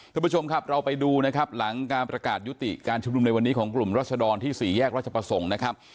คุณผู้ชมครับเราไปดูนะครับหลังการประกาศยุติการชุมนุมในวันนี้ของกลุ่มรัศดรที่สี่แยกราชประสงค์นะครับ